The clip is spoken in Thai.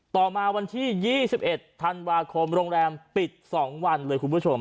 ต่อมาวันที่๒๑ธันวาคมโรงแรมปิด๒วันเลยคุณผู้ชม